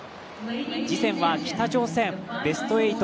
次戦は北朝鮮、ベスト８